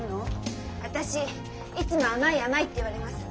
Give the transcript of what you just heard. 私いつも「甘い甘い」って言われます。